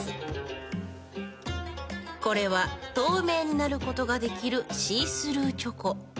これは透明になることができるシースルーチョコ。